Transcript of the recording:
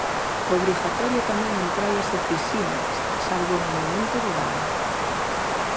Obrigatoria tamén en praias e piscinas, salvo no momento do baño.